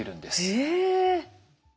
へえ。